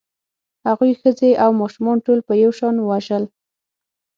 هغوی ښځې او ماشومان ټول په یو شان وژل